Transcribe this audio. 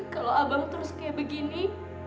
kalau abang terus kayak begini